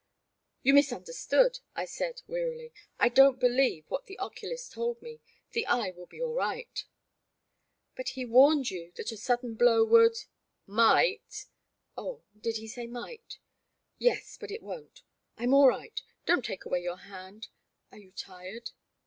You misunderstood,'' I said, wearily. I don't believe what the oculist told me; the eye will be all right." But he warned you that a sudden blow would Might " Oh — did he say might ?" Yes — but it won't. I 'm all right — don't take away your hand ; are you tired